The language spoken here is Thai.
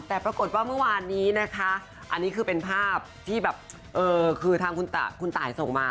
แต่ปรากฏว่าเมื่อวานนี้นะคะอันนี้คือเป็นภาพที่แบบคือทางคุณตายส่งมา